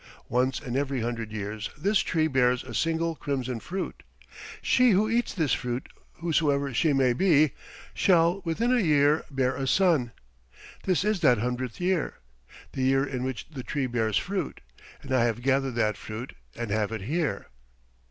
Once in every hundred years this tree bears a single crimson fruit. She who eats this fruit, whosoever she may be, shall, within a year, bear a son. This is that hundredth year, the year in which the tree bears fruit, and I have gathered that fruit and have it here."